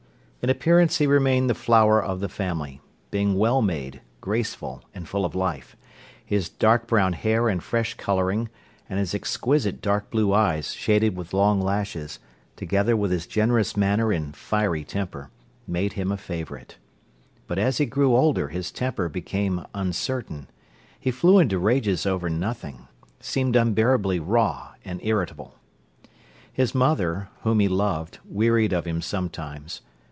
In appearance he remained the flower of the family, being well made, graceful, and full of life. His dark brown hair and fresh colouring, and his exquisite dark blue eyes shaded with long lashes, together with his generous manner and fiery temper, made him a favourite. But as he grew older his temper became uncertain. He flew into rages over nothing, seemed unbearably raw and irritable. His mother, whom he loved, wearied of him sometimes.